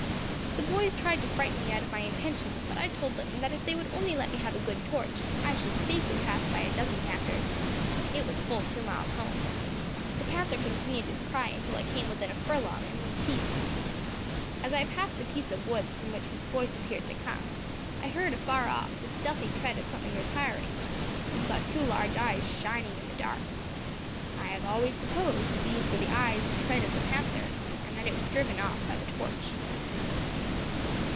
The boys tried to frighten me out of my intention; but I told them that if they would only let me have a good torch, I should safely pass by a dozen panthers. It was full two miles home. The panther continued his cry until I came within a furlong, and then ceased. As I passed the piece of woods from which his voice appeared to come, I heard afar off the stealthy tread of something retiring, and saw two large eyes shining in the dark. I have always supposed that these were the eyes and tread of the panther, and that it was driven off by the torch."